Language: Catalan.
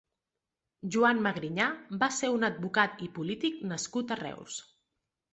Joan Magrinyà va ser un advocat i polític nascut a Reus.